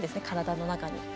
体の中に。